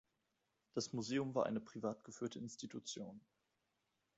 Das Museum war eine privat geführte Institution.